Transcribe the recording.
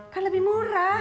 kan lebih murah